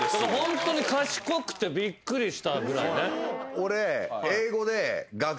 俺。